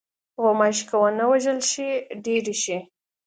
غوماشې که ونه وژلې شي، ډېرې شي.